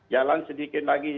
jalan sedikit lagi